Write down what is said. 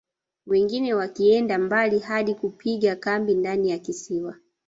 Wengine wakienda mbali hadi kupiga kambi ndani ya kisiwa